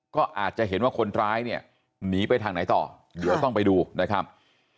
ก็อาจจะเห็นว่าคนร้ายเนี่ยหนีไปทางไหนต่อเดี๋ยวต้องไปดูนะครับ